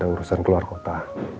urusan keluar kota